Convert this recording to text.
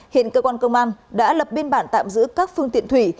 hiện cơ quan công an đã lập biên bản tạm giữ các phương tiện thủy